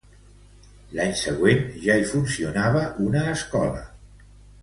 L'any següent, ja hi funcionava una escola.